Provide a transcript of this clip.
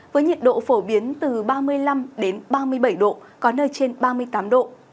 với nhiệt độ phổ biến từ ba mươi năm ba mươi bảy độ có nơi trên ba mươi tám độ